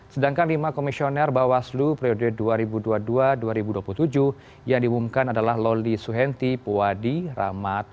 sedangkan lima komisioner bawaslu periode dua ribu dua puluh dua dua ribu dua puluh tujuh yang diumumkan adalah loli suhenti puwadi rahmat